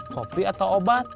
kopi atau obat